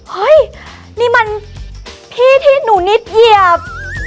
เฮ้ยนี่มันพี่ที่หนูนิดเหยียบ